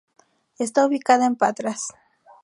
Está ubicada en Patras.